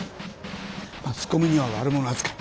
マスコミには悪者扱い。